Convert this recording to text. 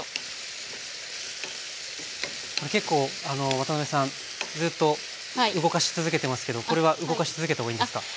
これ結構ワタナベさんずっと動かし続けてますけどこれは動かし続けたほうがいいんですか？